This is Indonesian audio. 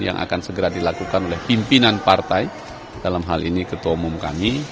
yang akan segera dilakukan oleh pimpinan partai dalam hal ini ketua umum kami